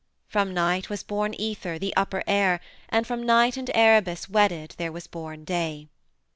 From Night was born Aether, the Upper Air, and from Night and Erebus wedded there was born Day.